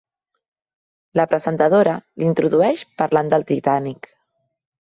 La presentadora l'introdueix parlant del Titànic.